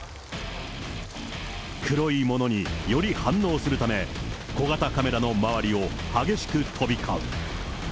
黒いものにより反応するため、小型カメラの周りを激しく飛び交う。